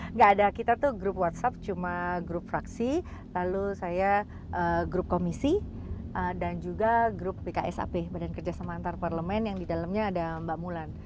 nggak ada kita tuh grup whatsapp cuma grup fraksi lalu saya grup komisi dan juga grup bksap badan kerjasama antarparlemen yang di dalamnya ada mbak mulan